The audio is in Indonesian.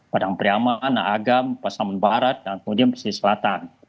padang priama anak agam pasaman barat dan kemudian pesiri selatan